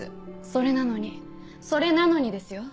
それなのにそれなのにですよ？